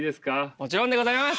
もちろんでございます！